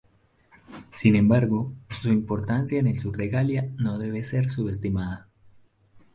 Sin embargo, su importancia en el sur de la Galia no debe ser subestimada.